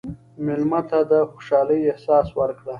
مېلمه ته د خوشحالۍ احساس ورکړه.